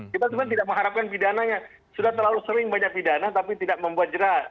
kita cuma tidak mengharapkan pidananya sudah terlalu sering banyak pidana tapi tidak membuat jerah